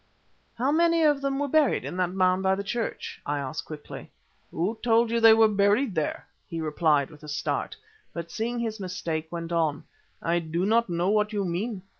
"How many of them were buried in that mound by the church?" I asked quickly. "Who told you they were buried there?" he replied, with a start, but seeing his mistake, went on, "I do not know what you mean.